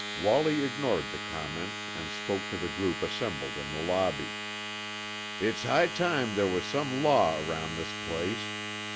Wallie ignored the comment and spoke to the group assembled in the lobby. "It's high time there was some law around this place.